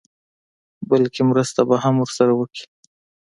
بلکې مرسته به هم ورسره وکړي.